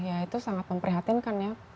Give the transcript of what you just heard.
ya itu sangat memprihatinkan ya